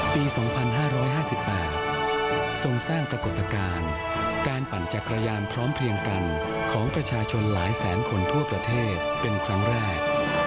ปี๒๕๕๘ทรงสร้างปรากฏการณ์การปั่นจักรยานพร้อมเพียงกันของประชาชนหลายแสนคนทั่วประเทศเป็นครั้งแรก